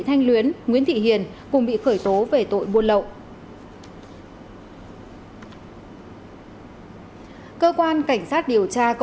đáng quý lãnh đạo công an tỉnh đánh giá rất cao